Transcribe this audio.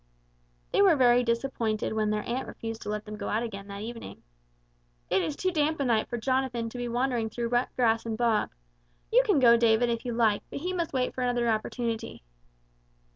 They were very disappointed when their aunt refused to let them go out again that evening. "It is too damp a night for Jonathan to be wandering through wet grass and bog. You can go, David, if you like, but he must wait for another opportunity."